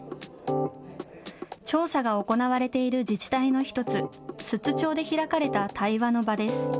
調査が行われている自治体の一つ、寿都町で開かれた対話の場です。